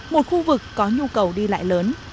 một khu vực có nhu cầu đi lại lớn